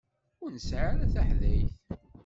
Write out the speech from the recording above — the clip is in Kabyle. Ur nesɛi ara taḥdayt.